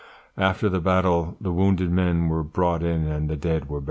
After the battle the wounded men were brought in and the dead were buried."